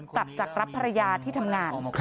กลับจากรับภรรยาที่ทำงาน